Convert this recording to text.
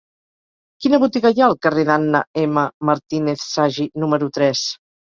Quina botiga hi ha al carrer d'Anna M. Martínez Sagi número tres?